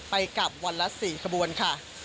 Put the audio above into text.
ไปกลับวันละ๔ขบวนค่ะ